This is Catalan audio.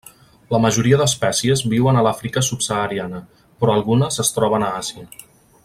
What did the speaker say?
La majoria d'espècies viuen a l'Àfrica subsahariana, però algunes es troben a Àsia.